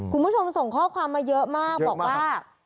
คุณผู้ชมส่งข้อความมาเยอะมากบอกว่า